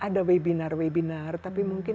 ada webinar webinar tapi mungkin